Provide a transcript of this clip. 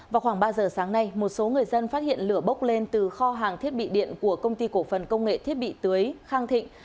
vào khoảng ba giờ sáng nay một số người dân phát hiện lửa bốc lên từ kho hàng thiết bị điện của công ty cổ phần công nghệ thiết bị tưới khang thịnh